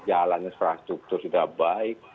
jalan infrastruktur sudah baik